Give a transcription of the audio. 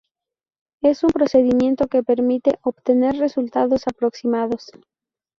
Es un procedimiento que permite obtener resultados aproximados.